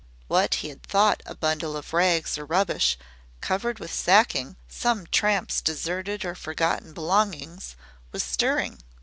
What he had thought a bundle of rags or rubbish covered with sacking some tramp's deserted or forgotten belongings was stirring.